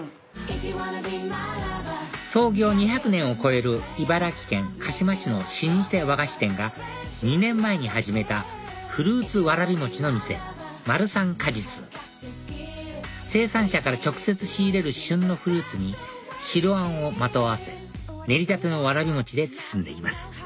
創業２００年を超える茨城県鹿嶋市の老舗和菓子店が２年前に始めたフルーツわらびもちの店まるさんかじつ生産者から直接仕入れる旬のフルーツに白あんをまとわせ練りたてのわらび餅で包んでいます